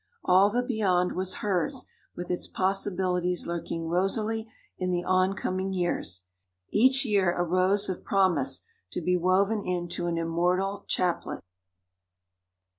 All the Beyond was hers with its possibilities lurking rosily in the oncoming years each year a rose of promise to be woven into an immortal chaplet.